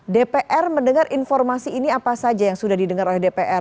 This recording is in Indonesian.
dpr mendengar informasi ini apa saja yang sudah didengar oleh dpr